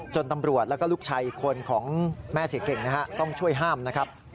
จนตำรวจและก็ลูกชายคนของแม่เสียเก่งต้องช่วยห้ามนะครับ